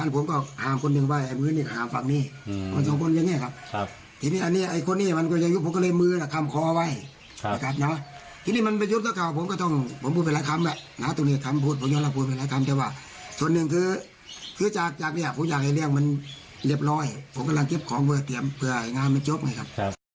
ผมอยากให้เรียกว่ามันเรียบร้อยผมกำลังเจ็บของเวอร์เตรียมเผื่อไอ้งานมันจบไงครับ